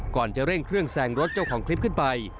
ก่อนจะเร่งเครื่องแซงรถเจ้าของคลิปขึ้นไป